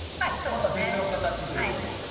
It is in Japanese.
また別の形ということで。